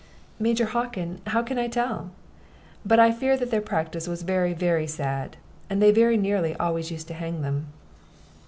"Major Hockin, how can I tell? But I fear that their practice was very, very sad they very nearly always used to hang them."